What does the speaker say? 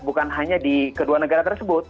bukan hanya di kedua negara tersebut